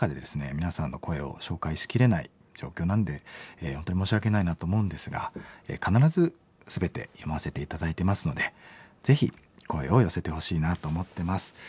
皆さんの声を紹介しきれない状況なんで本当に申し訳ないなと思うんですが必ず全て読ませて頂いてますのでぜひ声を寄せてほしいなと思ってます。